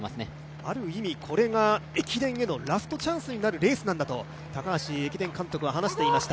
ある意味、これが駅伝へのラストチャンなんだと高橋駅伝監督は話していました。